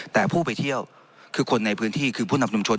แต่ผู้ไปเที่ยวคือคนในพื้นที่คือผู้นำชุมชน